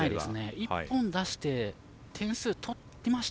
１本、出して、点数を取りました。